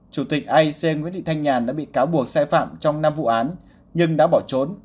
chủ tịch aic nguyễn thị thanh nhàn đã bị cáo buộc sai phạm trong năm vụ án nhưng đã bỏ trốn